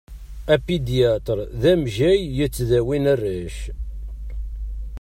Apidyatṛ d amejjay yettdawin arrac.